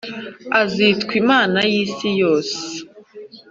Azitwa Imana y isi yose